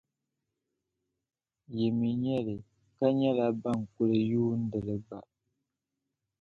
Yi mi nya li, ka nyɛla ban kuli yuundili gba.